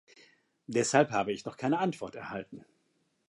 Deshalb habe ich noch keine Antwort erhalten.